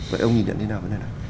vậy ông nhìn nhận thế nào về vấn đề này